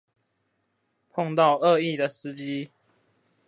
碰到惡意的司機